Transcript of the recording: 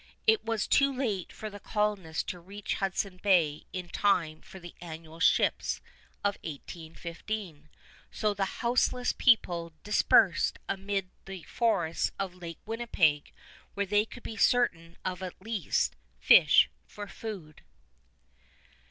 It was too late for the colonists to reach Hudson Bay in time for the annual ships of 1815, so the houseless people dispersed amid the forests of Lake Winnipeg, where they could be certain of at least fish for food.